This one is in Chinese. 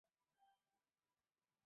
西晋永嘉后废。